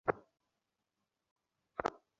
তুমি এটা কী করলে?